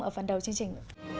ở phần đầu chương trình